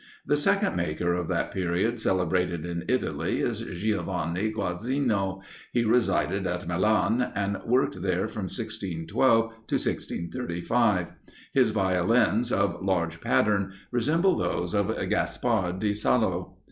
The second maker of that period celebrated in Italy is Giovanni Granzino; he resided at Milan, and worked there from 1612 to 1635. His Violins, of large pattern, resemble those of Gaspard di Salo.